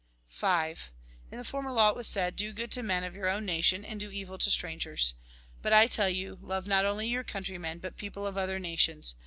In the former law it was said :" Do good to men of your own nation, and do evil to strangers." But I tell you, love not only your own country men, but people of other nations.